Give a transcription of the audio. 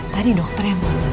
tadi dokter yang ngomong